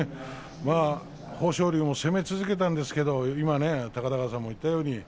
豊昇龍も攻め続けたんですが高田川さんもおっしゃったように